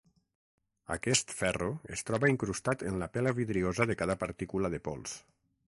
Aquest ferro es troba incrustat en la pela vidriosa de cada partícula de pols.